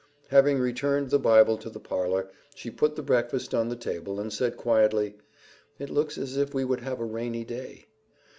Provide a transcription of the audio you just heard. Having returned the Bible to the parlor, she put the breakfast on the table and said quietly, "It looks as if we would have a rainy day."